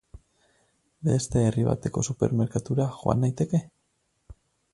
Beste herri bateko supermerkatura joan naiteke?